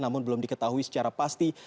namun belum diketahui secara pasti